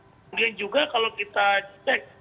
kemudian juga kalau kita cek